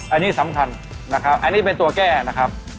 อันนี้สำคัญนะครับอันนี้เป็นตัวแก้นะครับ